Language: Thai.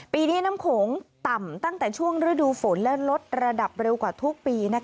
ปีนี้น้ำโขงต่ำตั้งแต่ช่วงฤดูฝนและลดระดับเร็วกว่าทุกปี